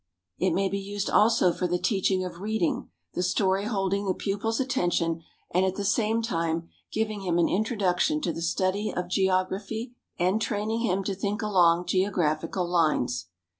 It may be used also for the teaching of reading, the story holding the pupil's attention and at the same time giving him an introduction to the study of geography and training him to think along geographical lines.